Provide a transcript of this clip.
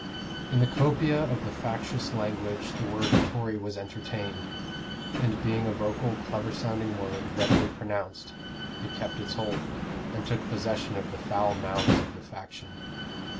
"In the copia of the factious language the word Tory was entertained, and being a vocal clever sounding word, readily pronounced, it kept its hold, and took possession of the foul mouths of the faction.